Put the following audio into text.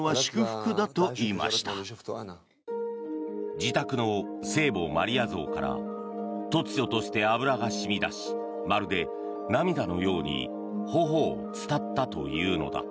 自宅の聖母マリア像から突如として油が染み出しまるで涙のように頬を伝ったというのだ。